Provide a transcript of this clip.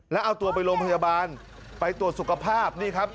แล้วเอาตัวไปโรงพยาบาลไปตรวจสุขภาพนี่ครับ